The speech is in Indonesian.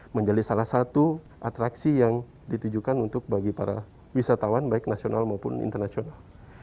menjadi salah satu atraksi yang ditujukan untuk bagi para wisatawan baik nasional maupun internasional